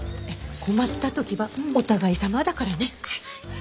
困った時はお互いさまだからね。